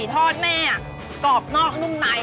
ทอดแม่กรอบนอกนุ่มใน